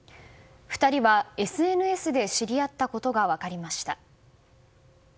２人はＳＮＳで知り合ったことが分かりました。